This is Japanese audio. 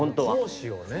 講師をね。